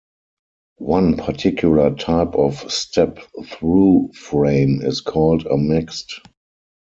One particular type of step-through frame is called a mixte.